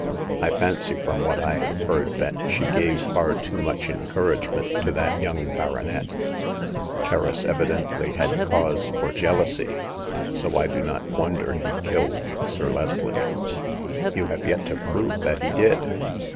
I fancy from what I have heard that she gave far too much encouragement to that young baronet. Kerris evidently had cause for jealousy ; so I do not wonder he killed Sir Leslie." You have yet to prove that he did."